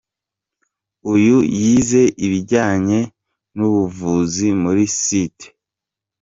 Uyu yize ibijyanye n’ubuvuzi muri St.